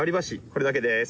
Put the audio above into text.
これだけです。